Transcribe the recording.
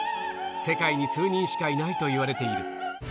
世界に数人しかいないといわれている。